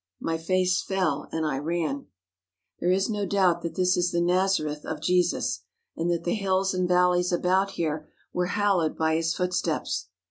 My face fell and I ran. There is no doubt that this is the Nazareth of Jesus, and that the hills and valleys about here were hallowed by His footsteps.